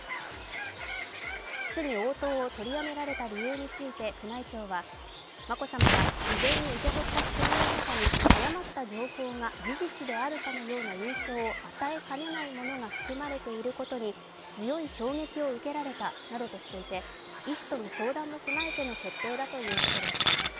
質疑応答を取りやめられた理由について、宮内庁は眞子さまは事前に受け取った質問の中に、誤った情報が事実であるかのような印象を与えかねないものが含まれていることに強い衝撃を受けられたなどとしていて医師との相談も踏まえての決定だということです。